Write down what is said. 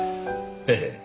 ええ。